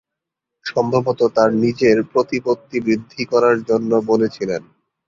সম্ভবত তাঁর নিজের প্রতিপত্তি বৃদ্ধি করার জন্য বলেছিলেন।